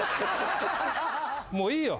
もういいよ。